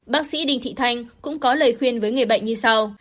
bác sĩ đinh thị thanh cũng có lời khuyên với người bệnh như sau